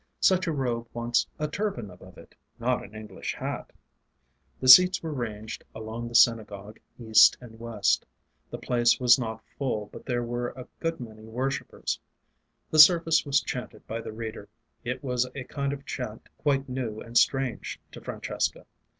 Such a robe wants a turban above it, not an English hat. The seats were ranged along the synagogue east and west. The place was not full, but there were a good many worshipers. The service was chanted by the Reader. It was a kind of chant quite new and strange to Francesca.